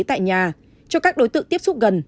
tại nhà cho các đối tượng tiếp xúc gần